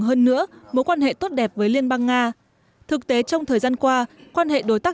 hơn nữa mối quan hệ tốt đẹp với liên bang nga thực tế trong thời gian qua quan hệ đối tác